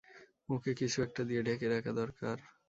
ওকে কিছু একটা দিয়ে ঢেকে রাখা দরকার।